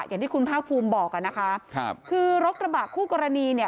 อย่างที่คุณภาคภูมิบอกค่ะคือรถกระบะคู่กรณี